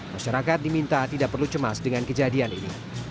masyarakat diminta tidak perlu cemas dengan kejadian ini